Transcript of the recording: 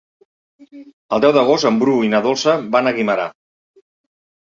El deu d'agost en Bru i na Dolça van a Guimerà.